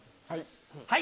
はい。